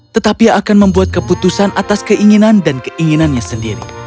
tetapi akan membuat keputusan atas keinginan dan keinginannya sendiri